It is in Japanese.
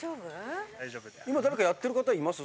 今誰かやってる方います？